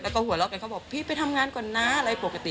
แล้วก็หัวเราะกันเขาบอกพี่ไปทำงานก่อนนะอะไรปกติ